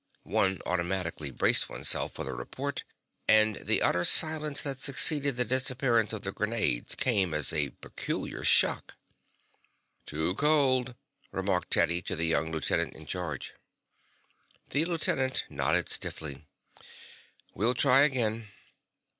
One automatically braced oneself for the report, and the utter silence that succeeded the disappearance of the grenades came as a peculiar shock. "Too cold," remarked Teddy to the young lieutenant in charge. The lieutenant nodded stiffly. "We'll try again."